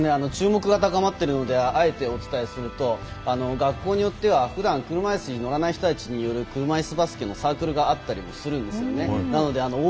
注目が高まっているのであえてお伝えすると学校によってはふだん車椅子に乗らない人たちによる車いすバスケのサークルがあったりするんですよね。